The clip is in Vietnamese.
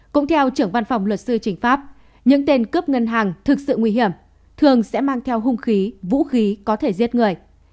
cũng theo trưởng văn phòng luật sư trình pháp những tên cướp ngân hàng thực sự nguy hiểm thường sẽ mang theo hung khí vũ khí có thể giết người